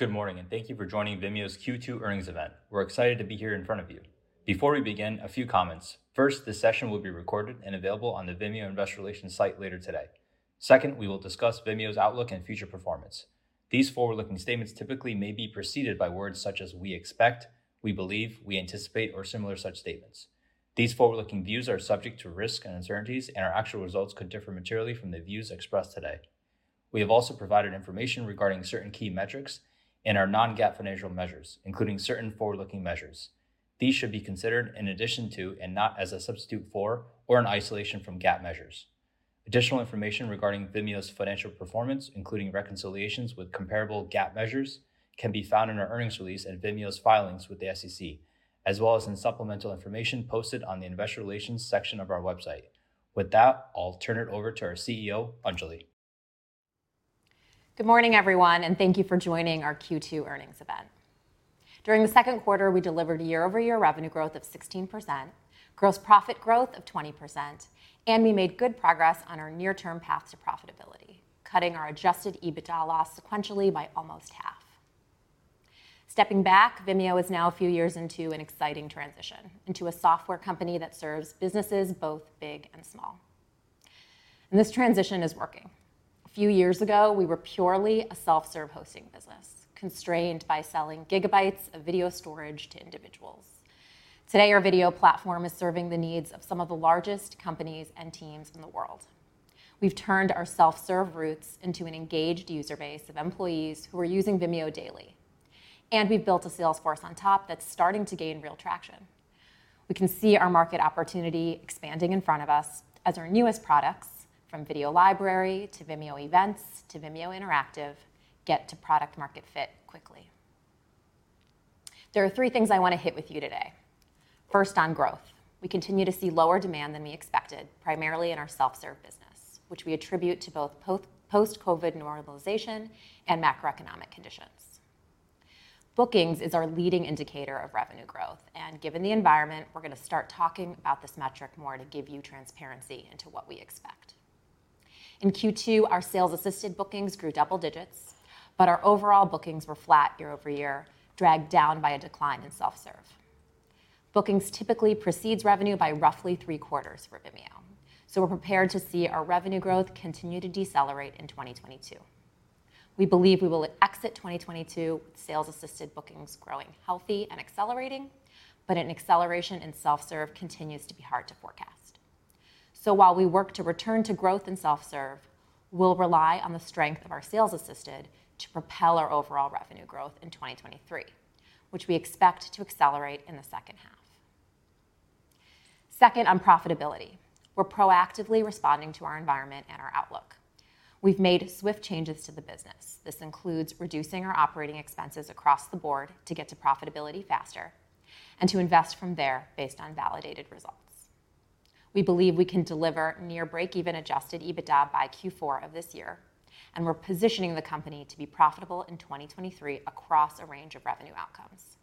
Good morning, and thank you for joining Vimeo's Q2 earnings event. We're excited to be here in front of you. Before we begin, a few comments. First, this session will be recorded and available on the Vimeo Investor Relations site later today. Second, we will discuss Vimeo's outlook and future performance. These forward-looking statements typically may be preceded by words such as "we expect," "we believe," "we anticipate," or similar such statements. These forward-looking views are subject to risks and uncertainties, and our actual results could differ materially from the views expressed today. We have also provided information regarding certain key metrics in our non-GAAP financial measures, including certain forward-looking measures. These should be considered in addition to and not as a substitute for or an isolation from GAAP measures. Additional information regarding Vimeo's financial performance, including reconciliations with comparable GAAP measures, can be found in our earnings release and Vimeo's filings with the SEC, as well as in supplemental information posted on the Investor Relations section of our website. With that, I'll turn it over to our CEO, Anjali. Good morning, everyone, and thank you for joining our Q2 earnings event. During the second quarter, we delivered a year-over-year revenue growth of 16%, gross profit growth of 20%, and we made good progress on our near-term path to profitability, cutting adjusted EBITDA loss sequentially by almost half. Stepping back, Vimeo is now a few years into an exciting transition into a software company that serves businesses both big and small. This transition is working. A few years ago, we were purely a self-serve hosting business, constrained by selling gigabytes of video storage to individuals. Today, our video platform is serving the needs of some of the largest companies and teams in the world. We've turned our self-serve roots into an engaged user base of employees who are using Vimeo daily. We've built a sales force on top that's starting to gain real traction. We can see our market opportunity expanding in front of us as our newest products from Video Library to Vimeo Events to Vimeo Interactive get to product market fit quickly. There are three things I wanna hit with you today. First, on growth. We continue to see lower demand than we expected, primarily in our self-serve business, which we attribute to both post-COVID normalization and macroeconomic conditions. Bookings is our leading indicator of revenue growth, and given the environment, we're gonna start talking about this metric more to give you transparency into what we expect. In Q2, our sales-assisted bookings grew double digits, but our overall bookings were flat year-over-year, dragged down by a decline in self-serve. Bookings typically precedes revenue by roughly three quarters for Vimeo. We're prepared to see our revenue growth continue to decelerate in 2022. We believe we will exit 2022 with sales-assisted bookings growing healthy and accelerating, but an acceleration in self-serve continues to be hard to forecast. While we work to return to growth in self-serve, we'll rely on the strength of our sales-assisted to propel our overall revenue growth in 2023. Which we expect to accelerate in the second half. Second, on profitability. We're proactively responding to our environment and our outlook. We've made swift changes to the business. This includes reducing our operating expenses across the board to get to profitability faster and to invest from there based on validated results. We believe we can deliver near adjusted EBITDA by Q4 of this year, and we're positioning the company to be profitable in 2023 across a range of revenue outcomes.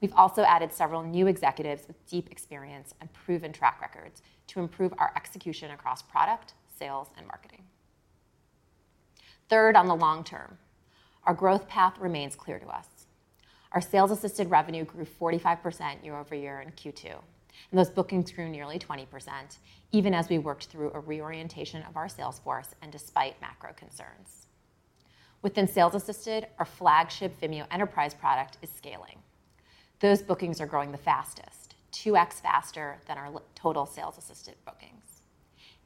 We've also added several new executives with deep experience and proven track records to improve our execution across product, sales, and marketing. Third, on the long term. Our growth path remains clear to us. Our sales-assisted revenue grew 45% year-over-year in Q2, and those bookings grew nearly 20%, even as we worked through a reorientation of our sales force and despite macro concerns. Within sales-assisted, our flagship Vimeo Enterprise product is scaling. Those bookings are growing the fastest, 2x faster than our total sales-assisted bookings.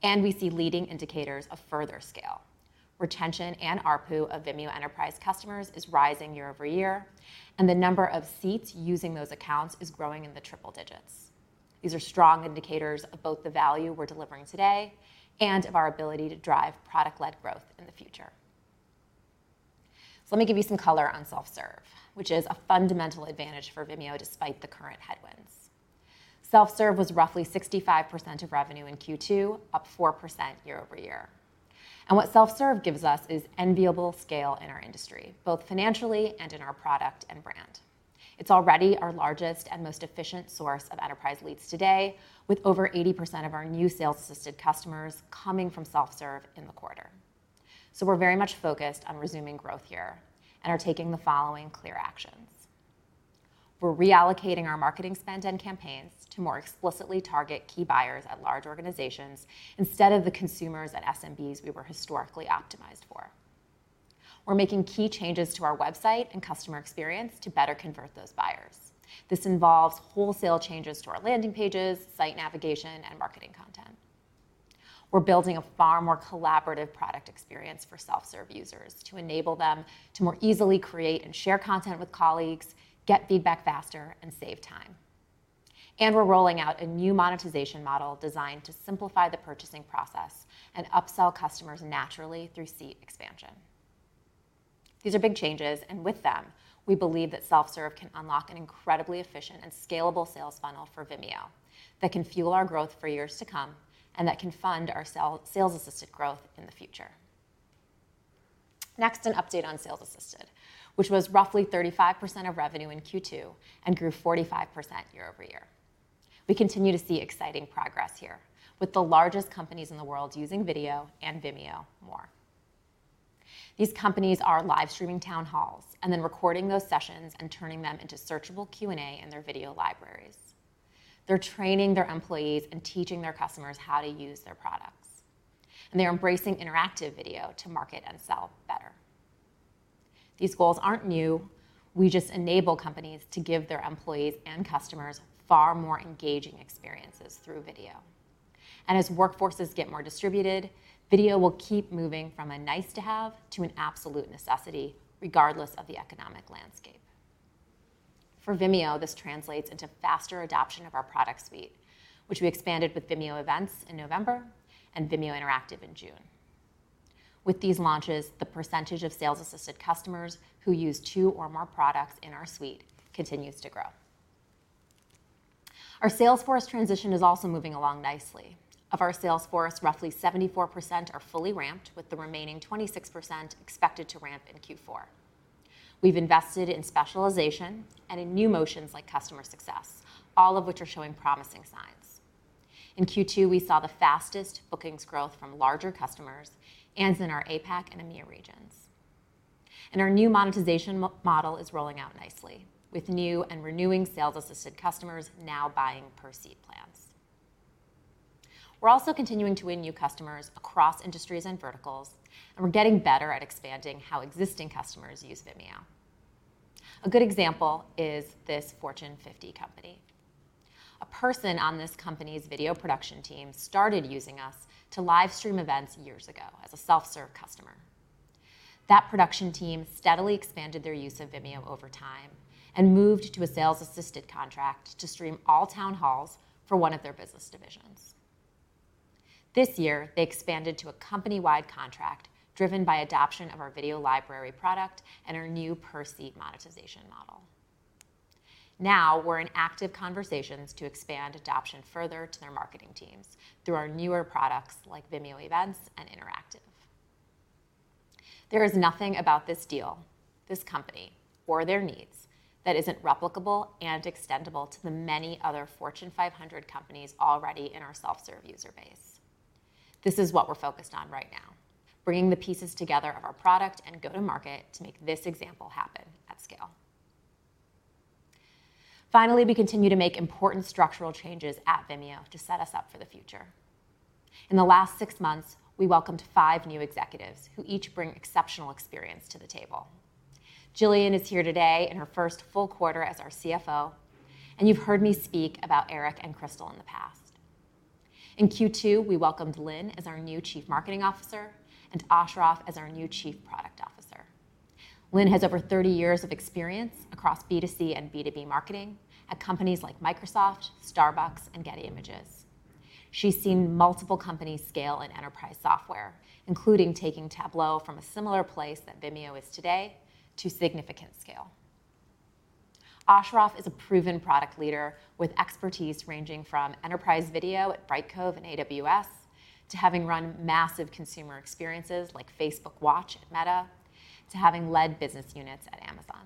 We see leading indicators of further scale. Retention and ARPU of Vimeo Enterprise customers is rising year-over-year, and the number of seats using those accounts is growing in the triple digits. These are strong indicators of both the value we're delivering today and of our ability to drive product-led growth in the future. Let me give you some color on self-serve, which is a fundamental advantage for Vimeo despite the current headwinds. Self-serve was roughly 65% of revenue in Q2, up 4% year-over-year. What self-serve gives us is enviable scale in our industry, both financially and in our product and brand. It's already our largest and most efficient source of enterprise leads today, with over 80% of our new sales-assisted customers coming from self-serve in the quarter. We're very much focused on resuming growth here and are taking the following clear actions. We're reallocating our marketing spend and campaigns to more explicitly target key buyers at large organizations instead of the consumers at SMBs we were historically optimized for. We're making key changes to our website and customer experience to better convert those buyers. This involves wholesale changes to our landing pages, site navigation, and marketing content. We're building a far more collaborative product experience for self-serve users to enable them to more easily create and share content with colleagues, get feedback faster, and save time. We're rolling out a new monetization model designed to simplify the purchasing process and upsell customers naturally through seat expansion. These are big changes, and with them, we believe that self-serve can unlock an incredibly efficient and scalable sales funnel for Vimeo that can fuel our growth for years to come and that can fund our sales-assisted growth in the future. Next, an update on sales-assisted, which was roughly 35% of revenue in Q2 and grew 45% year-over-year. We continue to see exciting progress here with the largest companies in the world using Video and Vimeo more. These companies are live streaming town halls and then recording those sessions and turning them into searchable Q&A in their video libraries. They're training their employees and teaching their customers how to use their products. They're embracing interactive video to market and sell better. These goals aren't new. We just enable companies to give their employees and customers far more engaging experiences through video. As workforces get more distributed, video will keep moving from a nice to have to an absolute necessity regardless of the economic landscape. For Vimeo, this translates into faster adoption of our product suite which we expanded with Vimeo Events in November and Vimeo Interactive in June. With these launches, the percentage of sales-assisted customers who use two or more products in our suite continues to grow. Our sales force transition is also moving along nicely. Of our sales force, roughly 74% are fully ramped with the remaining 26% expected to ramp in Q4. We've invested in specialization and in new motions like customer success, all of which are showing promising signs. In Q2, we saw the fastest bookings growth from larger customers and it's in our APAC and EMEA regions. Our new monetization model is rolling out nicely with new and renewing sales-assisted customers now buying per seat plans. We're also continuing to win new customers across industries and verticals, and we're getting better at expanding how existing customers use Vimeo. A good example is this Fortune 50 company. A person on this company's video production team started using us to live stream events years ago as a self-serve customer. That production team steadily expanded their use of Vimeo over time and moved to a sales-assisted contract to stream all town halls for one of their business divisions. This year, they expanded to a company-wide contract driven by adoption of our Video Library product and our new per seat monetization model. Now we're in active conversations to expand adoption further to their marketing teams through our newer products like Vimeo Events and Vimeo Interactive. There is nothing about this deal, this company or their needs that isn't replicable and extendable to the many other Fortune 500 companies already in our self-serve user base. This is what we're focused on right now, bringing the pieces together of our product and go-to-market to make this example happen at scale. Finally, we continue to make important structural changes at Vimeo to set us up for the future. In the last six months, we welcomed five new executives who each bring exceptional experience to the table. Gillian is here today in her first full quarter as our CFO, and you've heard me speak about Eric and Crystal in the past. In Q2, we welcomed Lynn as our new Chief Marketing Officer and Ashraf as our new Chief Product Officer. Lynn has over 30 years of experience across B2C and B2B marketing at companies like Microsoft, Starbucks and Getty Images. She's seen multiple companies scale in enterprise software, including taking Tableau from a similar place that Vimeo is today to significant scale. Ashraf is a proven product leader with expertise ranging from enterprise video at Brightcove and AWS to having run massive consumer experiences like Facebook Watch at Meta to having led business units at Amazon.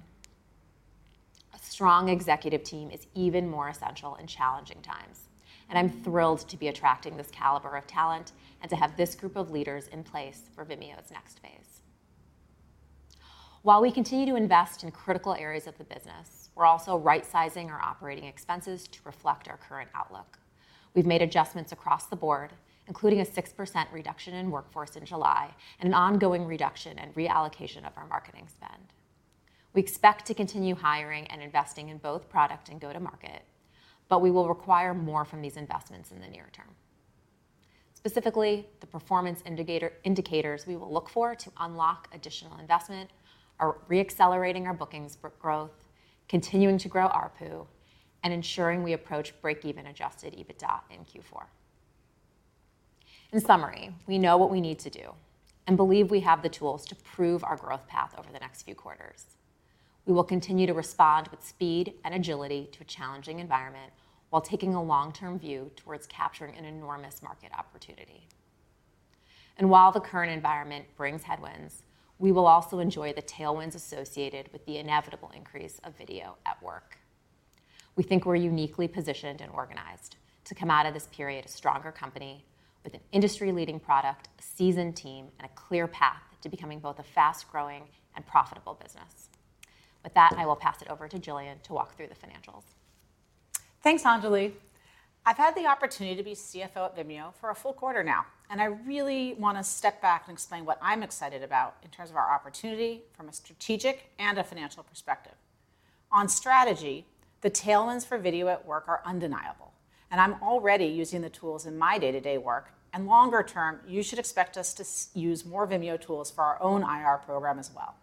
A strong executive team is even more essential in challenging times, and I'm thrilled to be attracting this caliber of talent and to have this group of leaders in place for Vimeo's next phase. While we continue to invest in critical areas of the business, we're also right sizing our operating expenses to reflect our current outlook. We've made adjustments across the board, including a 6% reduction in workforce in July and an ongoing reduction and reallocation of our marketing spend. We expect to continue hiring and investing in both product and go-to-market, but we will require more from these investments in the near term. Specifically, the performance indicators we will look for to unlock additional investment are re-accelerating our bookings for growth, continuing to grow ARPU and ensuring we approach adjusted EBITDA in Q4. In summary, we know what we need to do and believe we have the tools to prove our growth path over the next few quarters. We will continue to respond with speed and agility to a challenging environment while taking a long-term view towards capturing an enormous market opportunity. While the current environment brings headwinds, we will also enjoy the tailwinds associated with the inevitable increase of video at work. We think we're uniquely positioned and organized to come out of this period a stronger company with an industry leading product, a seasoned team and a clear path to becoming both a fast-growing and profitable business. With that, I will pass it over to Gillian to walk through the financials. Thanks, Anjali. I've had the opportunity to be CFO at Vimeo for a full quarter now, and I really wanna step back and explain what I'm excited about in terms of our opportunity from a strategic and a financial perspective. On strategy, the tailwinds for video at work are undeniable, and I'm already using the tools in my day-to-day work and longer term, you should expect us to use more Vimeo tools for our own IR program as well.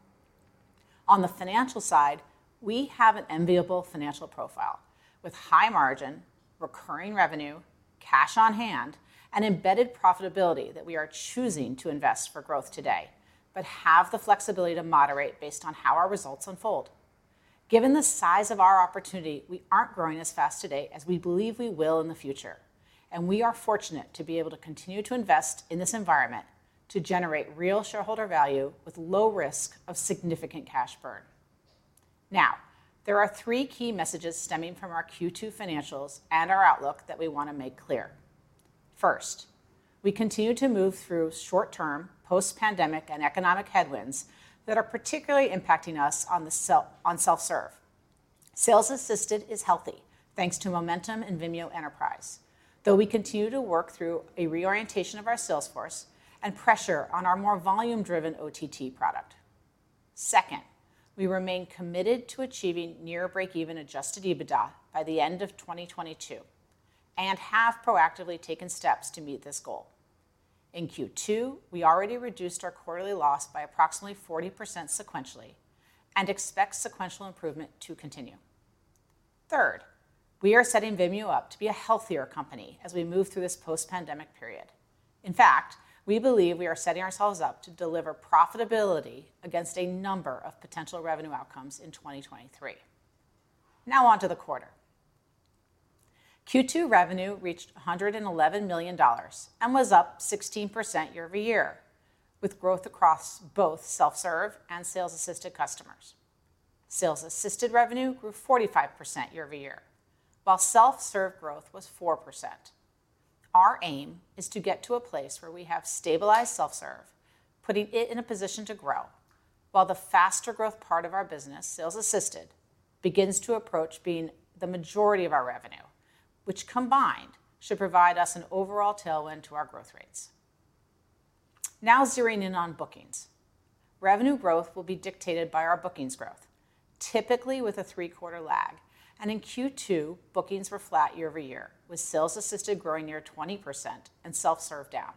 On the financial side, we have an enviable financial profile with high margin, recurring revenue, cash on hand and embedded profitability that we are choosing to invest for growth today, but have the flexibility to moderate based on how our results unfold. Given the size of our opportunity, we aren't growing as fast today as we believe we will in the future, and we are fortunate to be able to continue to invest in this environment to generate real shareholder value with low risk of significant cash burn. Now, there are three key messages stemming from our Q2 financials and our outlook that we wanna make clear. First, we continue to move through short-term post-pandemic and economic headwinds that are particularly impacting us on self-serve. Sales-assisted is healthy thanks to momentum in Vimeo Enterprise, though we continue to work through a reorientation of our sales force and pressure on our more volume-driven OTT product. Second, we remain committed to achieving near adjusted EBITDA by the end of 2022 and have proactively taken steps to meet this goal. In Q2, we already reduced our quarterly loss by approximately 40% sequentially and expect sequential improvement to continue. Third, we are setting Vimeo up to be a healthier company as we move through this post-pandemic period. In fact, we believe we are setting ourselves up to deliver profitability against a number of potential revenue outcomes in 2023. Now on to the quarter. Q2 revenue reached $111 million and was up 16% year-over-year, with growth across both self-serve and sales-assisted customers. Sales-assisted revenue grew 45% year-over-year, while self-serve growth was 4%. Our aim is to get to a place where we have stabilized self-serve, putting it in a position to grow while the faster growth part of our business, sales-assisted, begins to approach being the majority of our revenue, which combined should provide us an overall tailwind to our growth rates. Now zeroing in on bookings. Revenue growth will be dictated by our bookings growth, typically with a three-quarter lag. In Q2, bookings were flat year-over-year, with sales-assisted growing near 20% and self-serve down.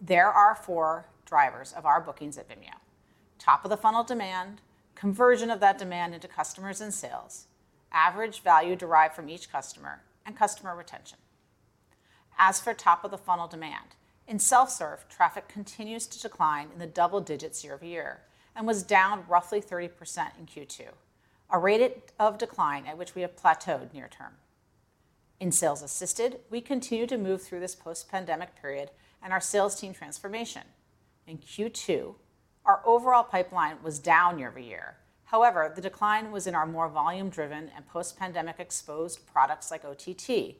There are four drivers of our bookings at Vimeo: top of the funnel demand, conversion of that demand into customers and sales, average value derived from each customer, and customer retention. As for top of the funnel demand, in self-serve, traffic continues to decline in the double digits year-over-year and was down roughly 30% in Q2, a rate of decline at which we have plateaued near-term. In sales-assisted, we continue to move through this post-pandemic period and our sales team transformation. In Q2, our overall pipeline was down year-over-year. However, the decline was in our more volume-driven and post-pandemic-exposed products like OTT,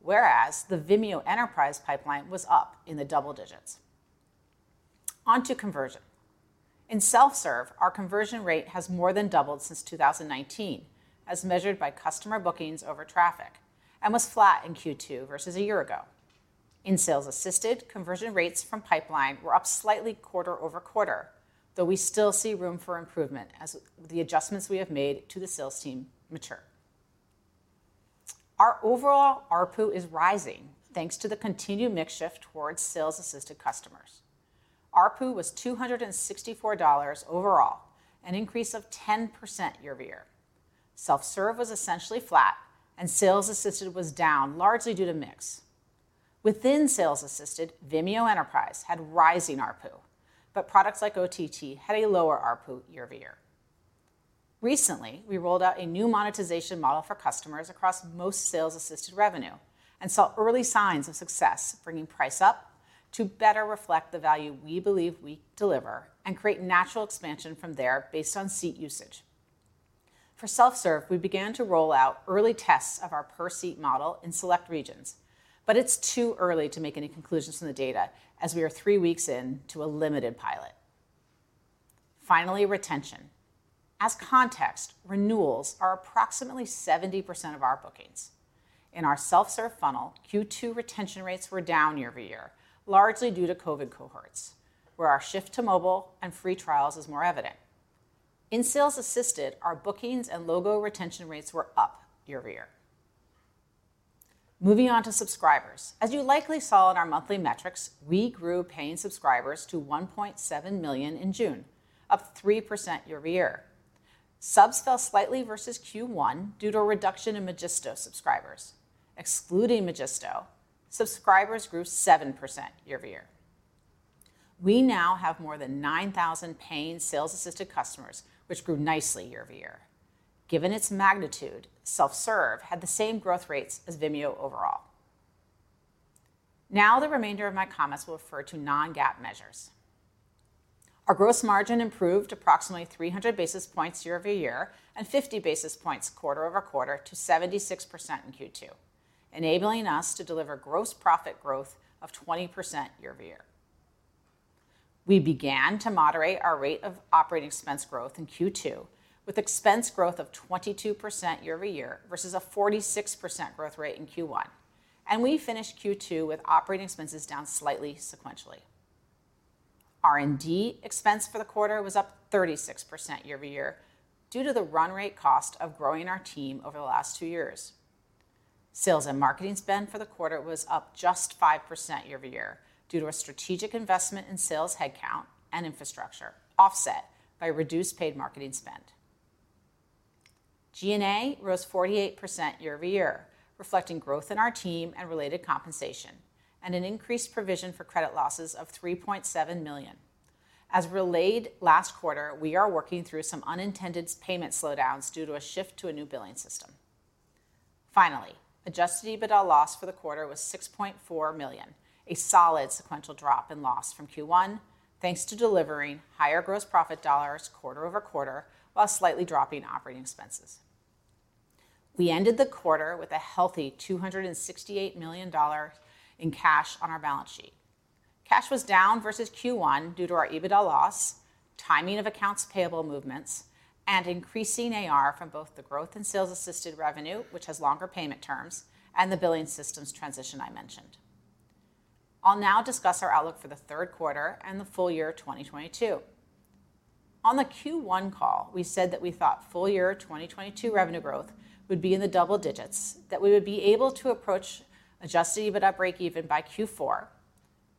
whereas the Vimeo Enterprise pipeline was up in the double digits. On to conversion, in self-serve, our conversion rate has more than doubled since 2019 as measured by customer bookings over traffic and was flat in Q2 versus a year ago. In sales-assisted, conversion rates from pipeline were up slightly quarter-over-quarter, though we still see room for improvement as the adjustments we have made to the sales team mature. Our overall ARPU is rising thanks to the continued mix shift towards sales-assisted customers. ARPU was $264 overall, an increase of 10% year-over-year. Self-serve was essentially flat and sales-assisted was down largely due to mix. Within sales-assisted, Vimeo Enterprise had rising ARPU, but products like OTT had a lower ARPU year-over-year. Recently, we rolled out a new monetization model for customers across most sales-assisted revenue and saw early signs of success bringing price up to better reflect the value we believe we deliver and create natural expansion from there based on seat usage. For self-serve, we began to roll out early tests of our per seat model in select regions, but it's too early to make any conclusions from the data as we are three weeks into a limited pilot. Finally, retention. As context, renewals are approximately 70% of our bookings. In our self-serve funnel, Q2 retention rates were down year-over-year, largely due to COVID cohorts, where our shift to mobile and free trials is more evident. In sales-assisted, our bookings and logo retention rates were up year-over-year. Moving on to subscribers. As you likely saw in our monthly metrics, we grew paying subscribers to 1.7 million in June, up 3% year-over-year. Subs fell slightly versus Q1 due to a reduction in Magisto subscribers. Excluding Magisto, subscribers grew 7% year-over-year. We now have more than 9,000 paying sales-assisted customers, which grew nicely year-over-year. Given its magnitude, self-serve had the same growth rates as Vimeo overall. Now the remainder of my comments will refer to non-GAAP measures. Our gross margin improved approximately 300 basis points year-over-year and 50 basis points quarter-over-quarter to 76% in Q2, enabling us to deliver gross profit growth of 20% year-over-year. We began to moderate our rate of operating expense growth in Q2 with expense growth of 22% year-over-year versus a 46% growth rate in Q1. We finished Q2 with operating expenses down slightly sequentially. R&D expense for the quarter was up 36% year-over-year due to the run rate cost of growing our team over the last two years. Sales and marketing spend for the quarter was up just 5% year-over-year due to a strategic investment in sales headcount and infrastructure, offset by reduced paid marketing spend. G&A rose 48% year-over-year, reflecting growth in our team and related compensation, and an increased provision for credit losses of $3.7 million. As relayed last quarter, we are working through some unintended payment slowdowns due to a shift to a new billing adjusted EBITDA loss for the quarter was $6.4 million, a solid sequential drop in loss from Q1 thanks to delivering higher gross profit dollars quarter-over-quarter while slightly dropping operating expenses. We ended the quarter with a healthy $268 million in cash on our balance sheet. Cash was down versus Q1 due to our EBITDA loss, timing of accounts payable movements, and increasing AR from both the growth in sales-assisted revenue, which has longer payment terms, and the billing systems transition I mentioned. I'll now discuss our outlook for the third quarter and the full year 2022. On the Q1 call, we said that we thought full year 2022 revenue growth would be in the double digits, that we would be able to adjusted EBITDA breakeven by Q4,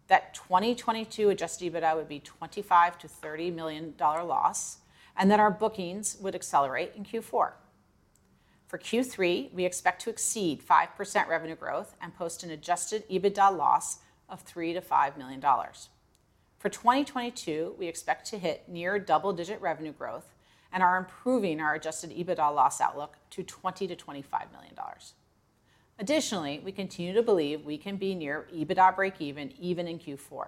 that adjusted EBITDA would be $25 million-$30 million loss, and that our bookings would accelerate in Q4. For Q3, we expect to exceed 5% revenue growth and post adjusted EBITDA loss of $3 million-$5 million. For 2022, we expect to hit near double-digit revenue growth and are improving adjusted EBITDA loss outlook to $20 million-$25 million. Additionally, we continue to believe we can be near EBITDA breakeven even in Q4.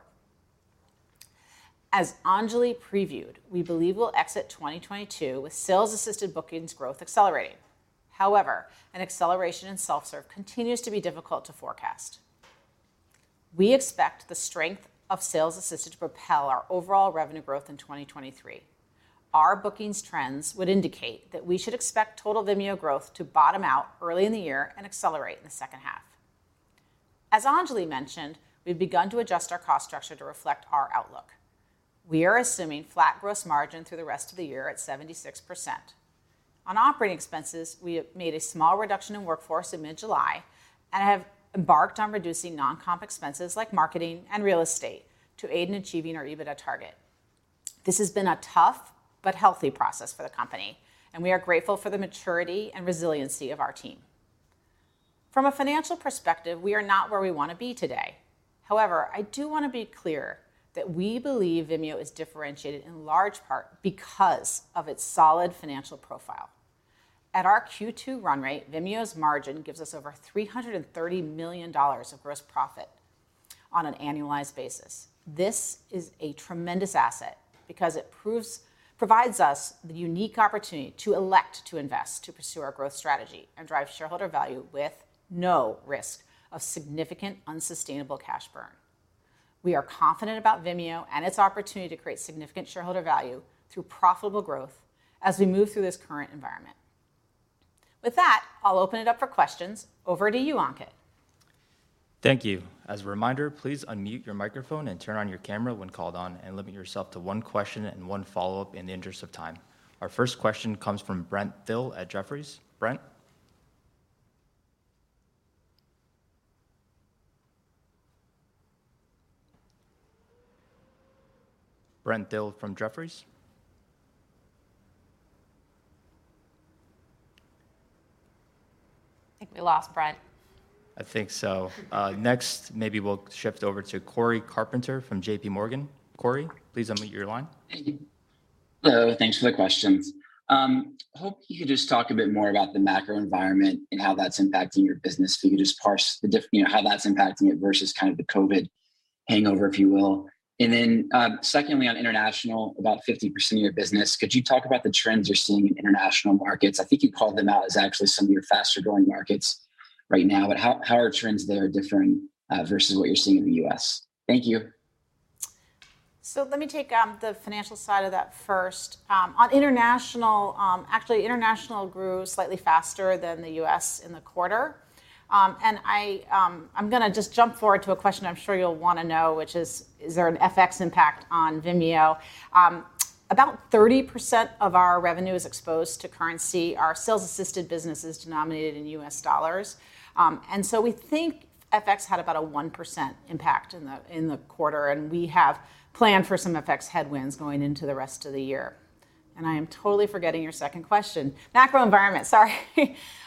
As Anjali previewed, we believe we'll exit 2022 with sales-assisted bookings growth accelerating. However, an acceleration in self-serve continues to be difficult to forecast. We expect the strength of sales-assisted to propel our overall revenue growth in 2023. Our bookings trends would indicate that we should expect total Vimeo growth to bottom out early in the year and accelerate in the second half. As Anjali mentioned, we've begun to adjust our cost structure to reflect our outlook. We are assuming flat gross margin through the rest of the year at 76%. On operating expenses, we have made a small reduction in workforce in mid-July and have embarked on reducing non-comp expenses like marketing and real estate to aid in achieving our EBITDA target. This has been a tough but healthy process for the company, and we are grateful for the maturity and resiliency of our team. From a financial perspective, we are not where we wanna be today. However, I do wanna be clear that we believe Vimeo is differentiated in large part because of its solid financial profile. At our Q2 run rate, Vimeo's margin gives us over $330 million of gross profit on an annualized basis. This is a tremendous asset because it provides us the unique opportunity to elect to invest to pursue our growth strategy and drive shareholder value with no risk of significant unsustainable cash burn. We are confident about Vimeo and its opportunity to create significant shareholder value through profitable growth as we move through this current environment. With that, I'll open it up for questions. Over to you, Ankit. Thank you. As a reminder, please unmute your microphone and turn on your camera when called on, and limit yourself to one question and one follow-up in the interest of time. Our first question comes from Brent Thill at Jefferies. Brent? Brent Thill from Jefferies? I think we lost Brent. I think so. Next, maybe we'll shift over to Cory Carpenter from JPMorgan. Cory, please unmute your line. Thank you. Hello. Thanks for the questions. Hope you could just talk a bit more about the macro environment and how that's impacting your business. If you could just parse the difference, you know, how that's impacting it versus kind of the COVID hangover, if you will. Secondly, on international, about 50% of your business, could you talk about the trends you're seeing in international markets? I think you called them out as actually some of your faster-growing markets right now. How are trends there differing versus what you're seeing in the U.S.? Thank you. Let me take the financial side of that first. On international, actually, international grew slightly faster than the U.S. in the quarter. I'm gonna just jump forward to a question I'm sure you'll wanna know, which is there an FX impact on Vimeo? About 30% of our revenue is exposed to currency. Our sales-assisted business is denominated in U.S. dollars. We think FX had about a 1% impact in the quarter, and we have planned for some FX headwinds going into the rest of the year. I am totally forgetting your second question. Macro environment, sorry.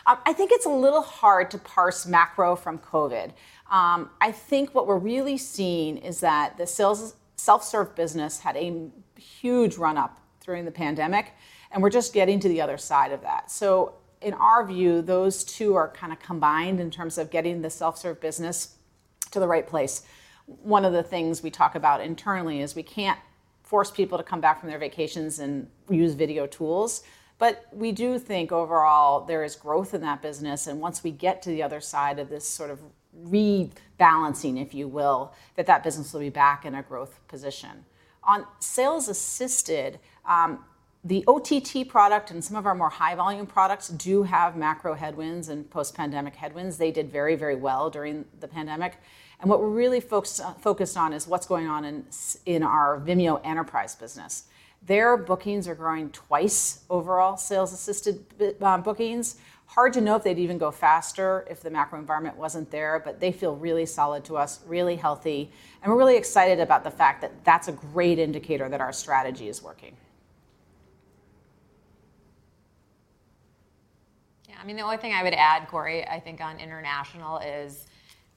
I think it's a little hard to parse macro from COVID. I think what we're really seeing is that the sales self-serve business had a huge run-up during the pandemic, and we're just getting to the other side of that. In our view, those two are kinda combined in terms of getting the self-serve business to the right place. One of the things we talk about internally is we can't force people to come back from their vacations and use video tools, but we do think overall there is growth in that business, and once we get to the other side of this sort of rebalancing, if you will, that business will be back in a growth position. On sales-assisted, the OTT product and some of our more high-volume products do have macro headwinds and post-pandemic headwinds. They did very, very well during the pandemic. What we're really focused on is what's going on in our Vimeo Enterprise business. Their bookings are growing twice overall sales-assisted bookings. Hard to know if they'd even go faster if the macro environment wasn't there, but they feel really solid to us, really healthy, and we're really excited about the fact that that's a great indicator that our strategy is working. Yeah, I mean, the only thing I would add, Cory, I think on international is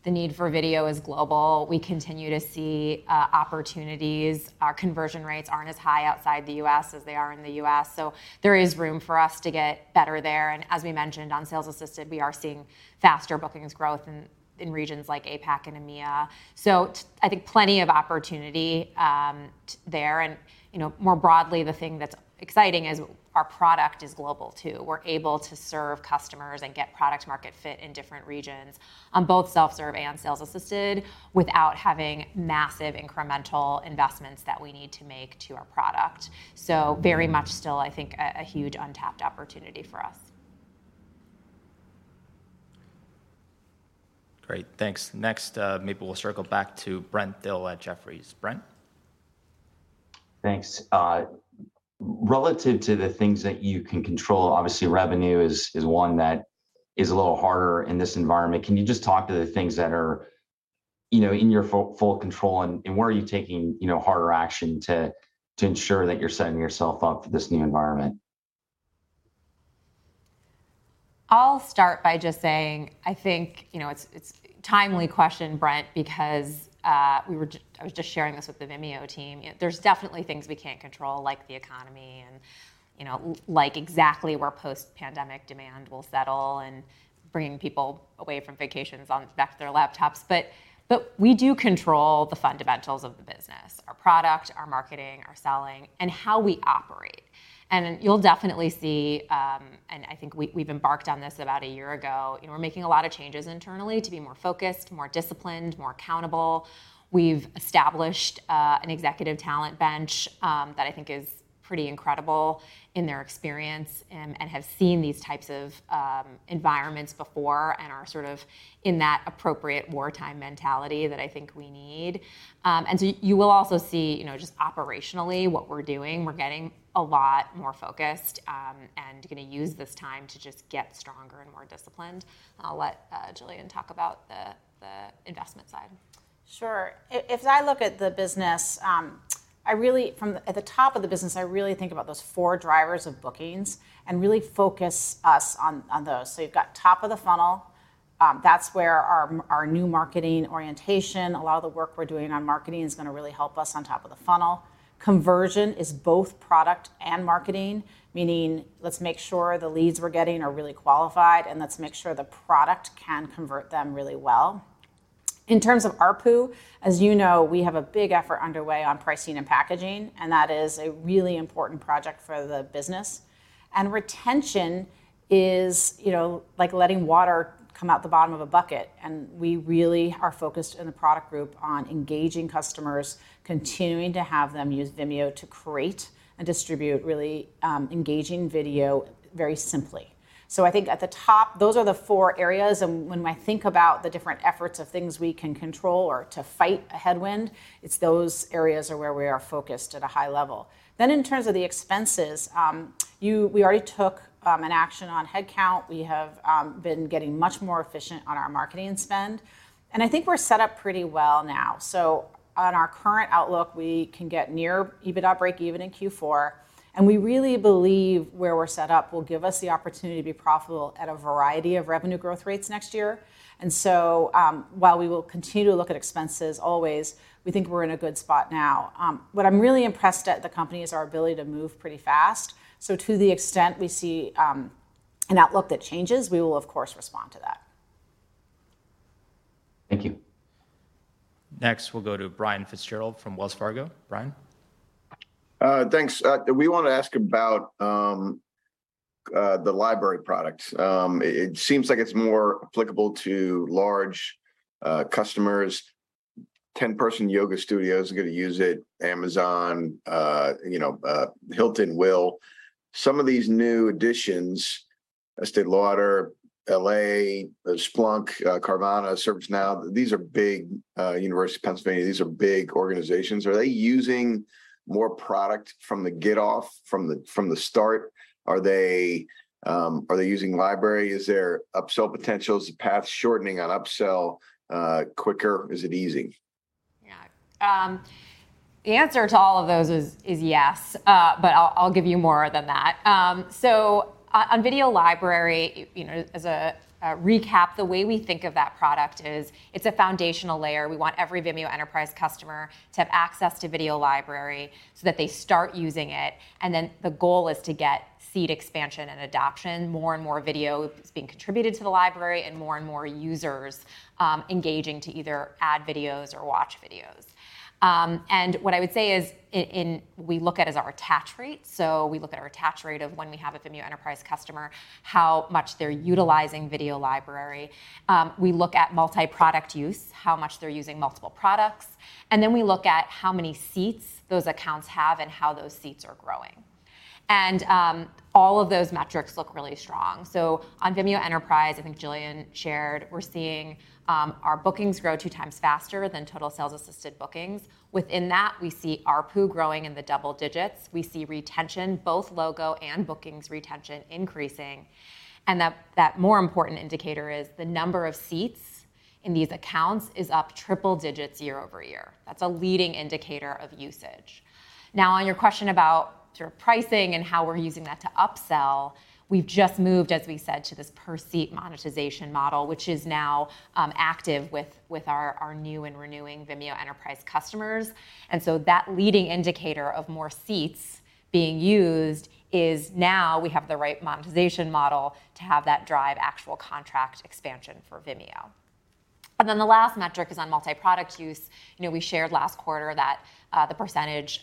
the need for video is global. We continue to see opportunities. Our conversion rates aren't as high outside the U.S. as they are in the U.S., so there is room for us to get better there. As we mentioned on sales-assisted, we are seeing faster bookings growth in regions like APAC and EMEA. I think plenty of opportunity there. You know, more broadly, the thing that's exciting is our product is global too. We're able to serve customers and get product market fit in different regions on both self-serve and sales-assisted without having massive incremental investments that we need to make to our product. Very much still, I think, a huge untapped opportunity for us. Great. Thanks. Next, maybe we'll circle back to Brent Thill at Jefferies. Brent? Thanks. Relative to the things that you can control, obviously revenue is one that is a little harder in this environment. Can you just talk to the things that are, you know, in your full control and where are you taking, you know, harder action to ensure that you're setting yourself up for this new environment? I'll start by just saying I think, you know, it's timely question, Brent, because I was just sharing this with the Vimeo team. There's definitely things we can't control like the economy and, you know, like exactly where post-pandemic demand will settle and bringing people away from vacations back to their laptops. We do control the fundamentals of the business, our product, our marketing, our selling, and how we operate. You'll definitely see and I think we've embarked on this about a year ago, you know, we're making a lot of changes internally to be more focused, more disciplined, more accountable. We've established an executive talent bench that I think is pretty incredible in their experience and have seen these types of environments before and are sort of in that appropriate wartime mentality that I think we need. You will also see, you know, just operationally what we're doing. We're getting a lot more focused and gonna use this time to just get stronger and more disciplined. I'll let Gillian talk about the investment side. Sure. If I look at the business, from the top of the business, I really think about those four drivers of bookings and really focus us on those. You've got top of the funnel, that's where our new marketing orientation, a lot of the work we're doing on marketing is gonna really help us on top of the funnel. Conversion is both product and marketing, meaning let's make sure the leads we're getting are really qualified and let's make sure the product can convert them really well. In terms of ARPU, as you know, we have a big effort underway on pricing and packaging, and that is a really important project for the business. Retention is, you know, like letting water come out the bottom of a bucket, and we really are focused in the product group on engaging customers, continuing to have them use Vimeo to create and distribute really, engaging video very simply. I think at the top, those are the four areas and when I think about the different efforts of things we can control or to fight a headwind, it's those areas are where we are focused at a high level. In terms of the expenses, we already took an action on headcount. We have been getting much more efficient on our marketing spend, and I think we're set up pretty well now. On our current outlook, we can get near EBITDA breakeven in Q4, and we really believe where we're set up will give us the opportunity to be profitable at a variety of revenue growth rates next year. While we will continue to look at expenses always, we think we're in a good spot now. What I'm really impressed at the company is our ability to move pretty fast. To the extent we see an outlook that changes, we will of course respond to that. Thank you. Next, we'll go to Brian Fitzgerald from Wells Fargo. Brian? Thanks. We want to ask about the library products. It seems like it's more applicable to large customers. 10-person yoga studios are gonna use it. Amazon, you know, Hilton, well. Some of these new additions, Estée Lauder, L.A., Splunk, Carvana, ServiceNow, these are big, University of Pennsylvania, these are big organizations. Are they using more product from the get-go from the start? Are they using library? Is there upsell potentials? Is the path shortening on upsell quicker? Is it easy? Yeah. The answer to all of those is yes. I'll give you more than that. On Video Library, you know, as a recap, the way we think of that product is it's a foundational layer. We want every Vimeo Enterprise customer to have access to Video Library so that they start using it, and then the goal is to get seed expansion and adoption, more and more video that's being contributed to the library and more and more users engaging to either add videos or watch videos. What I would say is we look at our attach rate. We look at our attach rate of when we have a Vimeo Enterprise customer, how much they're utilizing Video Library. We look at multi-product use, how much they're using multiple products, and then we look at how many seats those accounts have and how those seats are growing. All of those metrics look really strong. On Vimeo Enterprise, I think Gillian shared, we're seeing our bookings grow 2x faster than total sales-assisted bookings. Within that, we see ARPU growing in the double digits. We see retention, both logo and bookings retention increasing, and that more important indicator is the number of seats in these accounts is up triple digits year-over-year. That's a leading indicator of usage. Now, on your question about sort of pricing and how we're using that to upsell, we've just moved, as we said, to this per-seat monetization model, which is now active with our new and renewing Vimeo Enterprise customers. That leading indicator of more seats being used is now we have the right monetization model to have that drive actual contract expansion for Vimeo. The last metric is on multi-product use. You know, we shared last quarter that the percentage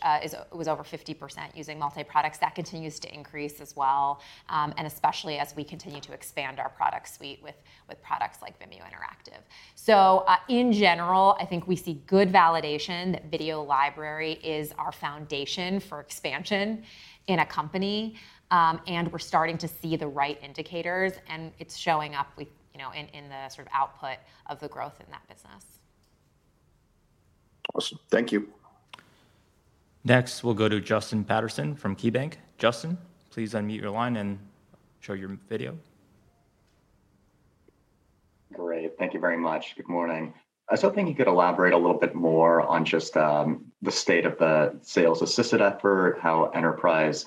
was over 50% using multi-products. That continues to increase as well, and especially as we continue to expand our product suite with products like Vimeo Interactive. In general, I think we see good validation that Video Library is our foundation for expansion in a company, and we're starting to see the right indicators, and it's showing up with, you know, in the sort of output of the growth in that business. Awesome. Thank you. Next, we'll go to Justin Patterson from KeyBanc. Justin, please unmute your line and show your video. Great. Thank you very much. Good morning. I was hoping you could elaborate a little bit more on just the state of the sales-assisted effort, how enterprise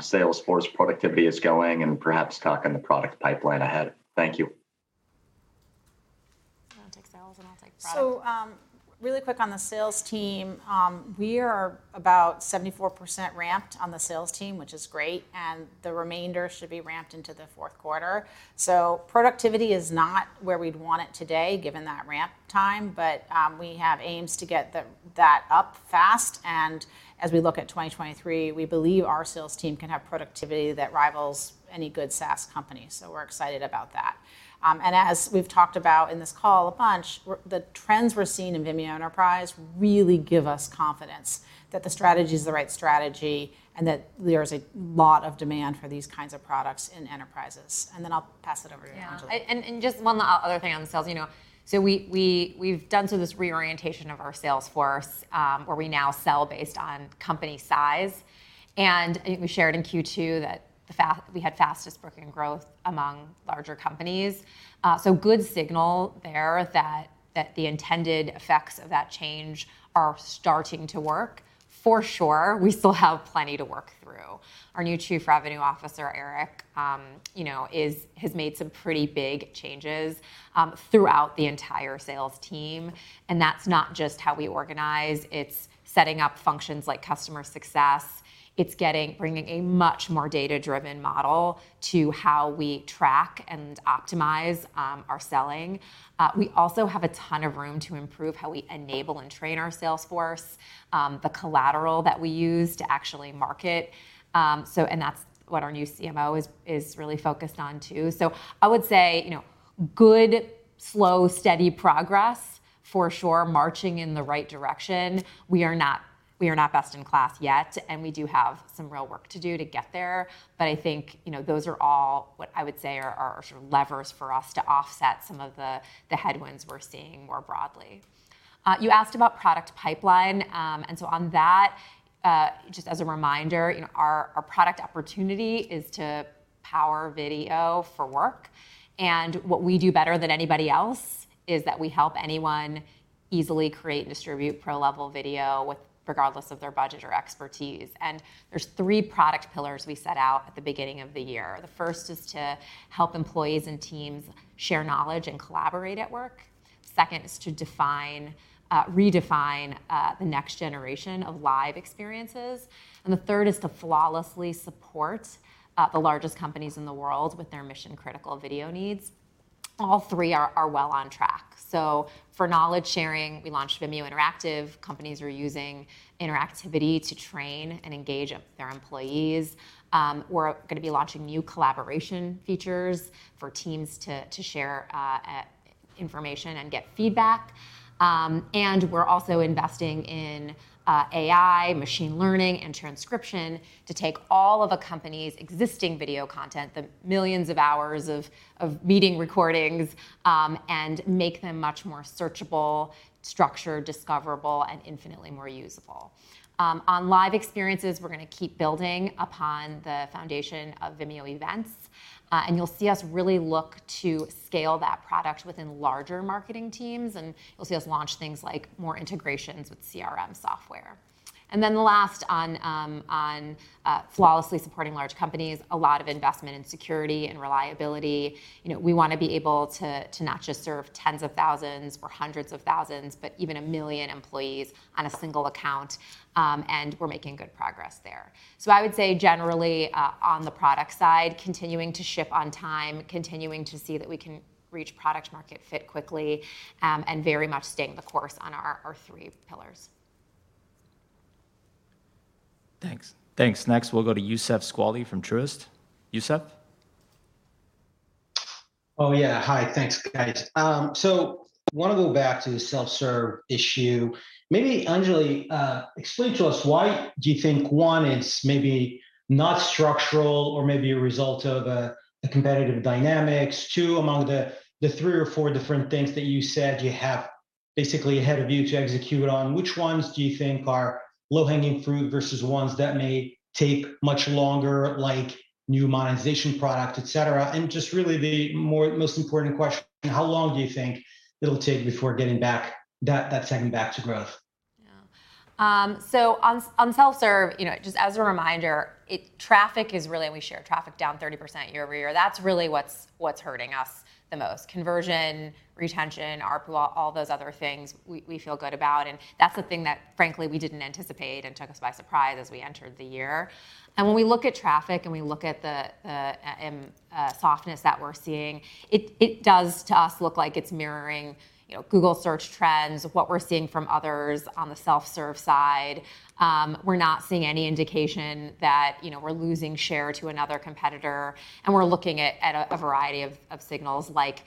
sales force productivity is going, and perhaps talk on the product pipeline ahead. Thank you. You wanna take sales, and I'll take product? Really quick on the sales team, we are about 74% ramped on the sales team, which is great, and the remainder should be ramped into the fourth quarter. Productivity is not where we'd want it today, given that ramp time, but we have aims to get that up fast. As we look at 2023, we believe our sales team can have productivity that rivals any good SaaS company. We're excited about that. As we've talked about in this call a bunch, the trends we're seeing in Vimeo Enterprise really give us confidence that the strategy is the right strategy and that there's a lot of demand for these kinds of products in enterprises. Then I'll pass it over to Anjali. Yeah. Just one other thing on the sales, you know. We've done sort of this reorientation of our sales force, where we now sell based on company size. I think we shared in Q2 that we had fastest booking growth among larger companies. Good signal there that the intended effects of that change are starting to work. For sure, we still have plenty to work through. Our new Chief Revenue Officer, Eric, has made some pretty big changes throughout the entire sales team, and that's not just how we organize, it's setting up functions like customer success. It's bringing a much more data-driven model to how we track and optimize our selling. We also have a ton of room to improve how we enable and train our sales force, the collateral that we use to actually market. That's what our new CMO is really focused on too. I would say, you know, good, slow, steady progress for sure, marching in the right direction. We are not best in class yet, and we do have some real work to do to get there. I think, you know, those are all what I would say are sort of levers for us to offset some of the headwinds we're seeing more broadly. You asked about product pipeline. On that, just as a reminder, you know, our product opportunity is to power video for work. What we do better than anybody else is that we help anyone easily create and distribute pro-level video, regardless of their budget or expertise. There's three product pillars we set out at the beginning of the year. The first is to help employees and teams share knowledge and collaborate at work. Second is to redefine the next generation of live experiences. The third is to flawlessly support the largest companies in the world with their mission-critical video needs. All three are well on track. For knowledge sharing, we launched Vimeo Interactive. Companies are using interactivity to train and engage their employees. We're gonna be launching new collaboration features for teams to share information and get feedback. We're also investing in AI, machine learning, and transcription to take all of a company's existing video content, the millions of hours of meeting recordings, and make them much more searchable, structured, discoverable, and infinitely more usable. On live experiences, we're gonna keep building upon the foundation of Vimeo Events. You'll see us really look to scale that product within larger marketing teams, and you'll see us launch things like more integrations with CRM software. The last on flawlessly supporting large companies, a lot of investment in security and reliability. You know, we wanna be able to not just serve tens of thousands or hundreds of thousands, but even a million employees on a single account, and we're making good progress there. I would say generally, on the product side, continuing to ship on time, continuing to see that we can reach product market fit quickly, and very much staying the course on our three pillars. Thanks. Next, we'll go to Youssef Squali from Truist. Youssef? Oh yeah. Hi. Thanks, guys. So wanna go back to the self-serve issue. Maybe Anjali, explain to us why do you think, one, it's maybe not structural or maybe a result of the competitive dynamics. Two, among the three or four different things that you said you have basically ahead of you to execute on, which ones do you think are low-hanging fruit versus ones that may take much longer, like new monetization product, etc? Just really the most important question, how long do you think it'll take before getting back to that second back to growth? Yeah. So on self-serve, you know, just as a reminder, traffic is really down 30% year-over-year. That's really what's hurting us the most. Conversion, retention, ARPU, all those other things we feel good about, and that's the thing that frankly we didn't anticipate and took us by surprise as we entered the year. When we look at traffic and we look at the softness that we're seeing, it does to us look like it's mirroring, you know, Google search trends of what we're seeing from others on the self-serve side. We're not seeing any indication that, you know, we're losing share to another competitor, and we're looking at a variety of signals like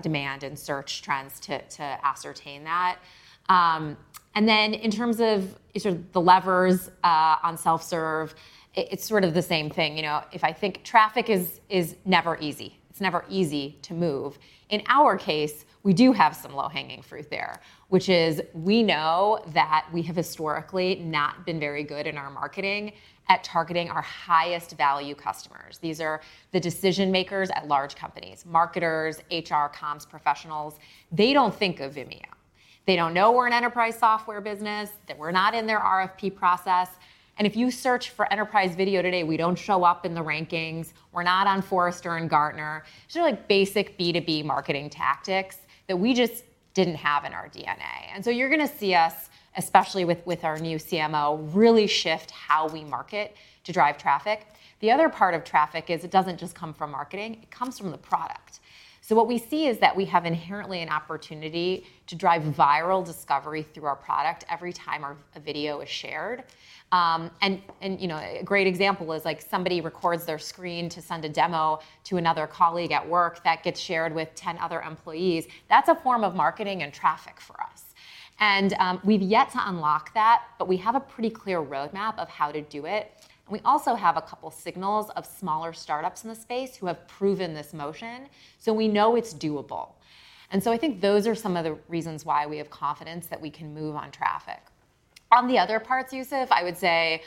demand and search trends to ascertain that. in terms of sort of the levers, on self-serve, it's sort of the same thing. You know, if I think traffic is never easy. It's never easy to move. In our case, we do have some low-hanging fruit there, which is we know that we have historically not been very good in our marketing at targeting our highest value customers. These are the decision makers at large companies, marketers, HR, comms professionals. They don't think of Vimeo. They don't know we're an enterprise software business, that we're not in their RFP process. If you search for enterprise video today, we don't show up in the rankings. We're not on Forrester and Gartner. These are like basic B2B marketing tactics that we just didn't have in our DNA. You're gonna see us, especially with our new CMO, really shift how we market to drive traffic. The other part of traffic is it doesn't just come from marketing, it comes from the product. What we see is that we have inherently an opportunity to drive viral discovery through our product every time a video is shared. You know, a great example is like somebody records their screen to send a demo to another colleague at work that gets shared with 10 other employees. That's a form of marketing and traffic for us. We've yet to unlock that, but we have a pretty clear roadmap of how to do it. We also have a couple signals of smaller startups in the space who have proven this motion, so we know it's doable. I think those are some of the reasons why we have confidence that we can move on traffic. On the other parts, Youssef, I would say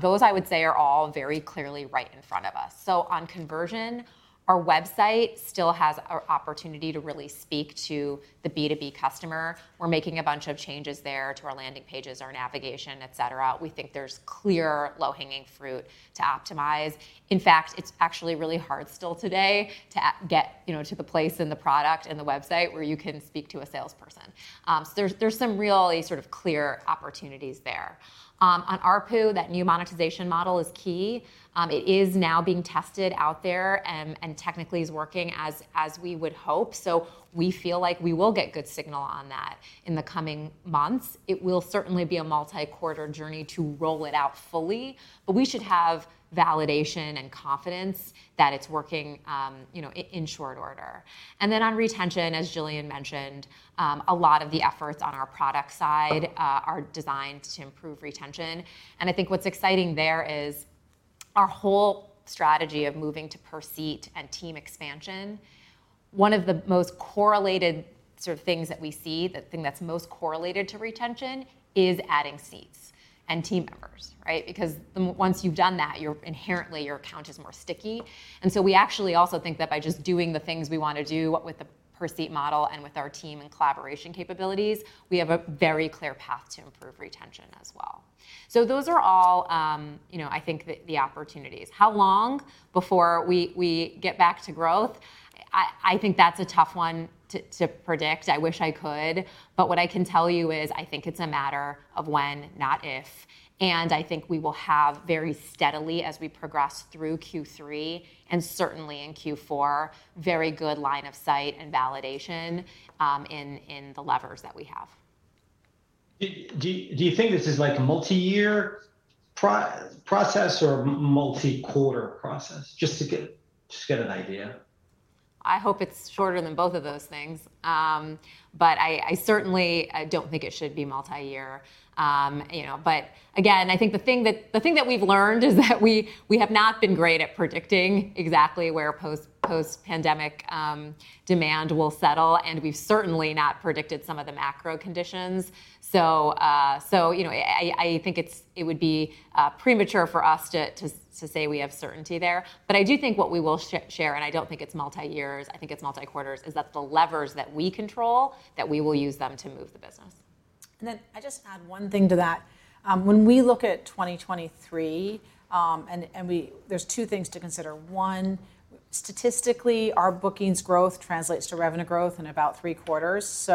those are all very clearly right in front of us. On conversion, our website still has an opportunity to really speak to the B2B customer. We're making a bunch of changes there to our landing pages, our navigation, etc. We think there's clear low-hanging fruit to optimize. In fact, it's actually really hard still today to get, you know, to the place in the product and the website where you can speak to a salesperson. So there's some really sort of clear opportunities there. On ARPU, that new monetization model is key. It is now being tested out there and technically is working as we would hope. We feel like we will get good signal on that in the coming months. It will certainly be a multi-quarter journey to roll it out fully, but we should have validation and confidence that it's working, you know, in short order. On retention, as Gillian mentioned, a lot of the efforts on our product side are designed to improve retention. I think what's exciting there is our whole strategy of moving to per seat and team expansion, one of the most correlated sort of things that we see, the thing that's most correlated to retention is adding seats and team members, right? Because once you've done that, you're inherently, your account is more sticky. We actually also think that by just doing the things we wanna do with the per seat model and with our team and collaboration capabilities, we have a very clear path to improve retention as well. Those are all, you know, I think the opportunities. How long before we get back to growth? I think that's a tough one to predict. I wish I could, but what I can tell you is I think it's a matter of when, not if, and I think we will have very steadily as we progress through Q3 and certainly in Q4, very good line of sight and validation in the levers that we have. Do you think this is like a multi-year process or multi-quarter process? Just to get an idea. I hope it's shorter than both of those things. I certainly don't think it should be multi-year. You know, but again, I think the thing that we've learned is that we have not been great at predicting exactly where post-pandemic demand will settle, and we've certainly not predicted some of the macro conditions. You know, I think it would be premature for us to say we have certainty there. I do think what we will share, and I don't think it's multi-years, I think it's multi-quarters, is that the levers that we control, that we will use them to move the business. Then I just add one thing to that. When we look at 2023, there are two things to consider. One, statistically, our bookings growth translates to revenue growth in about three quarters.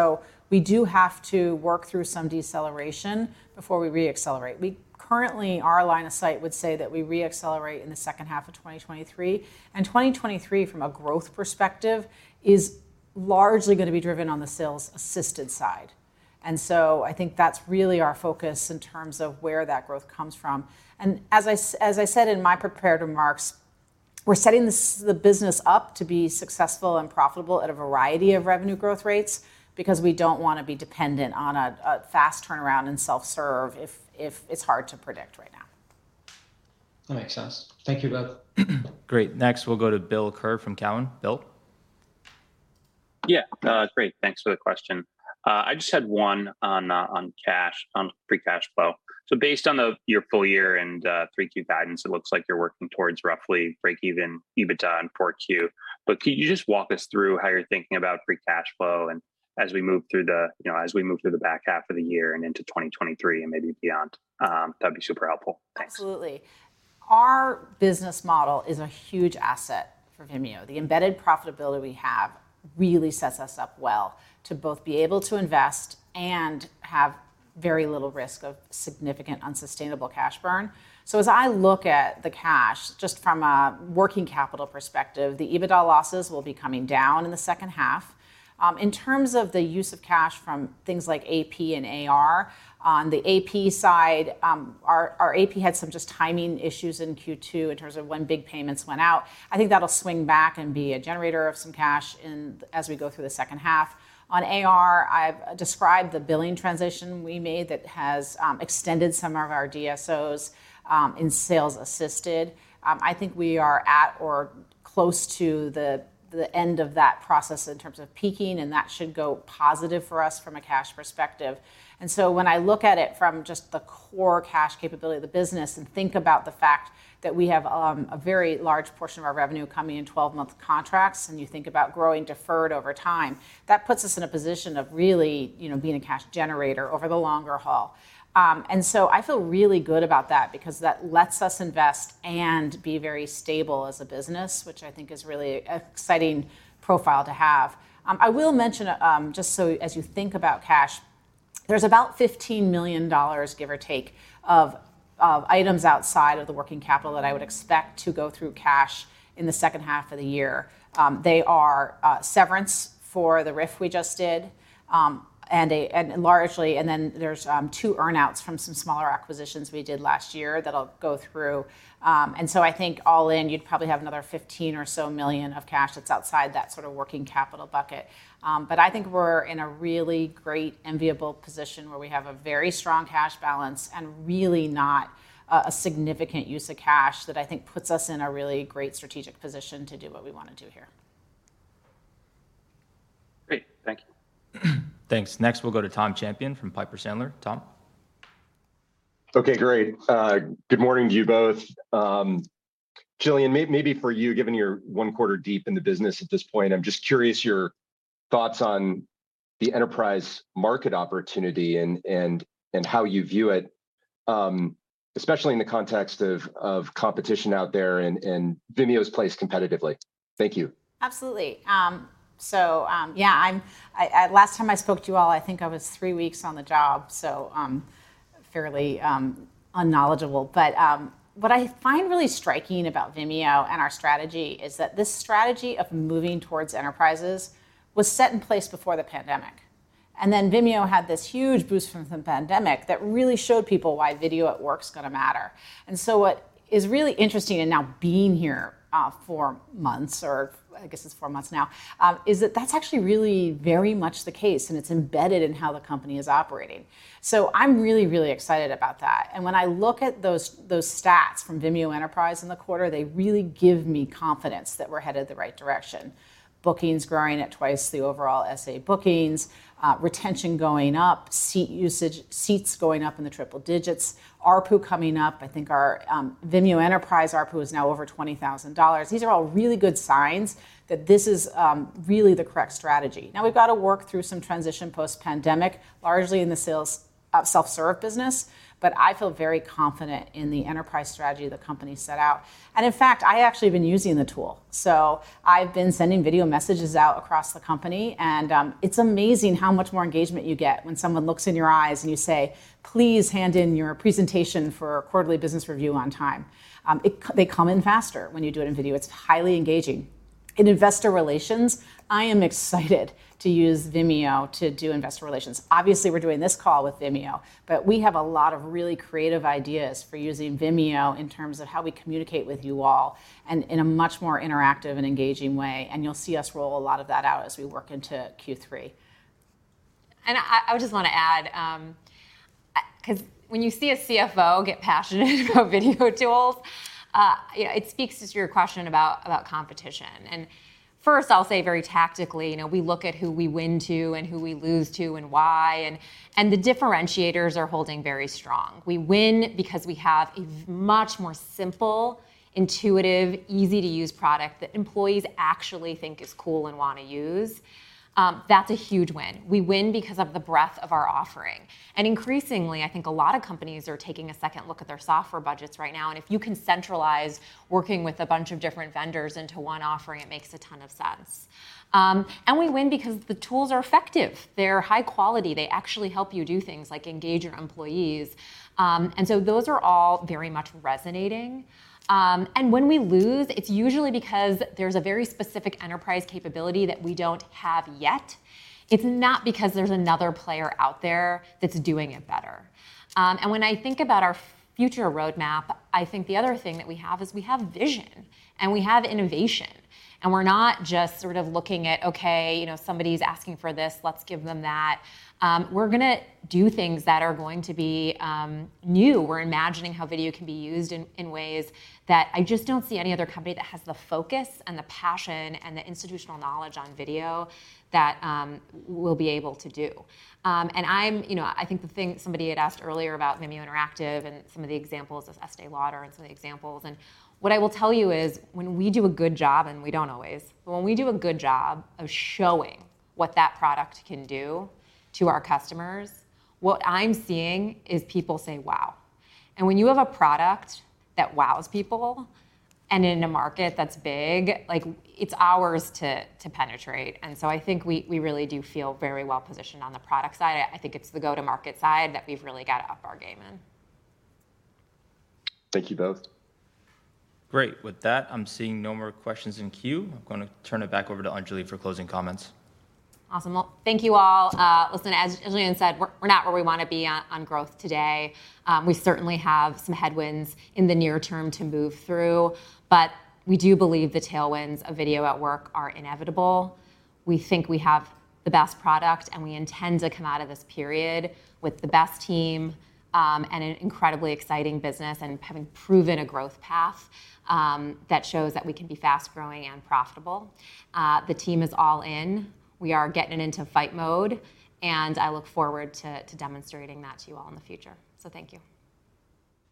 We do have to work through some deceleration before we re-accelerate. We currently, our line of sight would say that we re-accelerate in the second half of 2023. 2023 from a growth perspective is largely gonna be driven on the sales-assisted side. I think that's really our focus in terms of where that growth comes from. As I said in my prepared remarks, we're setting the business up to be successful and profitable at a variety of revenue growth rates because we don't wanna be dependent on a fast turnaround and self-serve if it's hard to predict right now. That makes sense. Thank you both. Great. Next, we'll go to Bill Kerr from Cowen. Bill? Yeah. Great. Thanks for the question. I just had one on cash, on free cash flow. Based on your full year and 3Q guidance, it looks like you're working towards roughly breakeven EBITDA in 4Q. Can you just walk us through how you're thinking about free cash flow as we move through the back half of the year and into 2023 and maybe beyond? That'd be super helpful. Thanks. Absolutely. Our business model is a huge asset for Vimeo. The embedded profitability we have really sets us up well to both be able to invest and have very little risk of significant unsustainable cash burn. As I look at the cash, just from a working capital perspective, the EBITDA losses will be coming down in the second half. In terms of the use of cash from things like AP and AR, on the AP side, our AP had some just timing issues in Q2 in terms of when big payments went out. I think that'll swing back and be a generator of some cash in as we go through the second half. On AR, I've described the billing transition we made that has extended some of our DSO in sales-assisted. I think we are at or close to the end of that process in terms of peaking, and that should go positive for us from a cash perspective. When I look at it from just the core cash capability of the business and think about the fact that we have a very large portion of our revenue coming in 12-month contracts and you think about growing deferred over time, that puts us in a position of really, you know, being a cash generator over the longer haul. I feel really good about that because that lets us invest and be very stable as a business, which I think is really an exciting profile to have. I will mention, just so as you think about cash, there's about $15 million, give or take, of items outside of the working capital that I would expect to go through cash in the second half of the year. They are severance for the RIF we just did, and largely, then there's two earn-outs from some smaller acquisitions we did last year that'll go through. I think all in, you'd probably have another 15 or so million of cash that's outside that sort of working capital bucket. I think we're in a really great, enviable position where we have a very strong cash balance and really not a significant use of cash that I think puts us in a really great strategic position to do what we wanna do here. Great. Thank you. Thanks. Next, we'll go to Tom Champion from Piper Sandler. Tom? Okay, great. Good morning to you both. Gillian, maybe for you, given you're one quarter deep in the business at this point, I'm just curious your thoughts on the enterprise market opportunity and how you view it, especially in the context of competition out there and Vimeo's place competitively. Thank you. Absolutely. So, yeah, last time I spoke to you all, I think I was three weeks on the job, so, fairly, unknowledgeable. What I find really striking about Vimeo and our strategy is that this strategy of moving towards enterprises was set in place before the pandemic. Then Vimeo had this huge boost from the pandemic that really showed people why video at work's gonna matter. What is really interesting in now being here, four months, or I guess it's four months now, is that that's actually really very much the case, and it's embedded in how the company is operating. I'm really, really excited about that. When I look at those stats from Vimeo Enterprise in the quarter, they really give me confidence that we're headed the right direction. Bookings growing at twice the overall SA bookings, retention going up, seat usage, seats going up in the triple digits, ARPU coming up. I think our Vimeo Enterprise ARPU is now over $20,000. These are all really good signs that this is really the correct strategy. Now we've got to work through some transition post-pandemic, largely in the sales of self-serve business, but I feel very confident in the enterprise strategy the company set out. In fact, I actually have been using the tool. I've been sending video messages out across the company, and it's amazing how much more engagement you get when someone looks in your eyes and you say, "Please hand in your presentation for quarterly business review on time." They come in faster when you do it in video. It's highly engaging. In investor relations, I am excited to use Vimeo to do investor relations. Obviously, we're doing this call with Vimeo, but we have a lot of really creative ideas for using Vimeo in terms of how we communicate with you all and in a much more interactive and engaging way. You'll see us roll a lot of that out as we work into Q3. I just wanna add, 'cause when you see a CFO get passionate about video tools, you know, it speaks to your question about competition. First, I'll say very tactically, you know, we look at who we win to and who we lose to and why, and the differentiators are holding very strong. We win because we have a much more simple, intuitive, easy-to-use product that employees actually think is cool and wanna use. That's a huge win. We win because of the breadth of our offering. Increasingly, I think a lot of companies are taking a second look at their software budgets right now, and if you can centralize working with a bunch of different vendors into one offering, it makes a ton of sense. We win because the tools are effective. They're high quality. They actually help you do things like engage your employees. Those are all very much resonating. When we lose, it's usually because there's a very specific enterprise capability that we don't have yet. It's not because there's another player out there that's doing it better. When I think about our future roadmap, I think the other thing that we have is we have vision and we have innovation, and we're not just sort of looking at, okay, you know, somebody's asking for this, let's give them that. We're gonna do things that are going to be new. We're imagining how video can be used in ways that I just don't see any other company that has the focus and the passion and the institutional knowledge on video that we'll be able to do. I'm, you know, I think the thing somebody had asked earlier about Vimeo Interactive and some of the examples of Estée Lauder and some of the examples. What I will tell you is when we do a good job, and we don't always, but when we do a good job of showing what that product can do to our customers, what I'm seeing is people say, "Wow." When you have a product that wows people and in a market that's big, like it's ours to penetrate. I think we really do feel very well positioned on the product side. I think it's the go-to-market side that we've really gotta up our game in. Thank you both. Great. With that, I'm seeing no more questions in queue. I'm gonna turn it back over to Anjali for closing comments. Awesome. Well, thank you all. Listen, as Gillian said, we're not where we wanna be on growth today. We certainly have some headwinds in the near term to move through, but we do believe the tailwinds of video at work are inevitable. We think we have the best product, and we intend to come out of this period with the best team and an incredibly exciting business and having proven a growth path that shows that we can be fast-growing and profitable. The team is all in. We are getting into fight mode, and I look forward to demonstrating that to you all in the future. Thank you.